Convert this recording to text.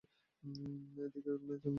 এদিক দিয়ে মিল আছে আমাদের।